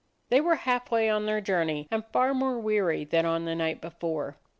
They were halfway on their journey and far more weary than on the night before.